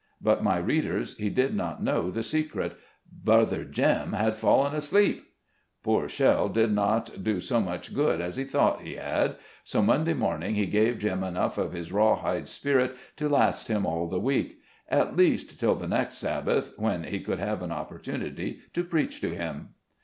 But, my readers, he did not know the secret — brother Jem had fallen asleep. Poor Shell did not do so much good as he thought he had, so Monday morn ing he gave Jem enough of his raw hide spirit to last him all the week ; at least, till the next Sab bath, when he could have an opportunity to preach to him.